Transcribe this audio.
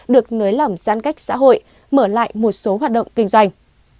được nới lỏng giãn cách xã hội mở lại một số hoạt động kinh doanh